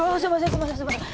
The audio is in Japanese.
すいませんすいません。